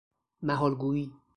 محال گویی